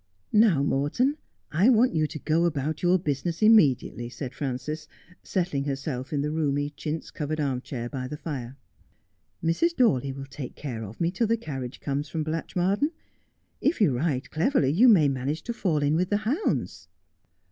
' Now, Morton, I want you to go about your business imme diately,' said Frances, settling herself in the roomy chintz covered armchair by the fire. ' Mrs. Dawley will take care of me till the carriage comes from Blatchmardean. If you ride cleverly you may manage to fall in with the hounds.'